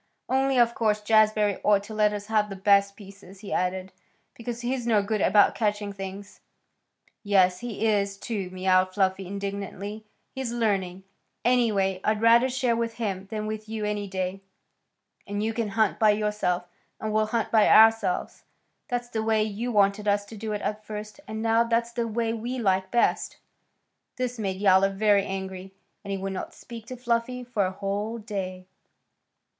"Only, of course, Jazbury ought to let us have the best pieces," he added, "because he's no good about catching things." "Yes, he is, too," mewed Fluffy indignantly. "He's learning. And anyway, I'd rather share with him than with you any day, and you can hunt by yourself, and we'll hunt by ourselves. That's the way you wanted us to do it at first, and now that's the way we like best." This made Yowler very angry, and he would not speak to Fluffy for a whole day.